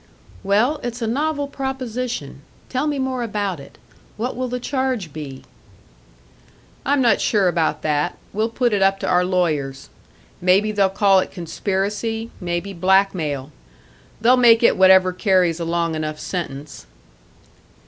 "Well, it's a novel proposition. Tell me more about it. What will the charge be?" "I'm not sure about that we'll put it up to our lawyers. Maybe they'll call it conspiracy, maybe blackmail. They'll make it whatever carries a long enough sentence."